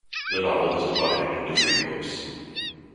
The novel is divided into three books.